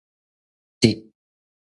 得